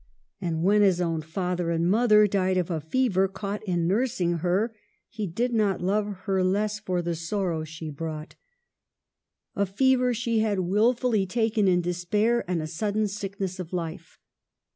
And when his own father and mother died of a fever caught in nursing her he did not love her less for the sorrow she brought. « WUTHERING HEIGHTS: 245 A fever she had wilfully taken in despair, and a sudden sickness of life.